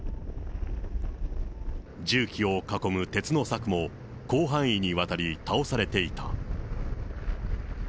重機を囲む鉄の柵も広範囲にわたり倒されていた。